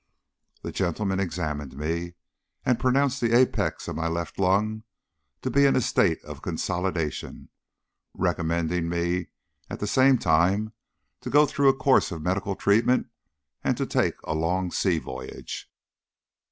That gentleman examined me, and pronounced the apex of my left lung to be in a state of consolidation, recommending me at the same time to go through a course of medical treatment and to take a long sea voyage.